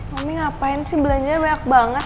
kami ngapain sih belanjanya banyak banget